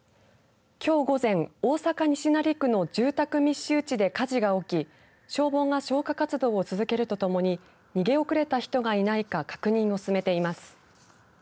きょう午前、大阪西成区の住宅密集地で火事が起き消防が消火活動を続けるとともに逃げ遅れた人がいないか確認を進めています。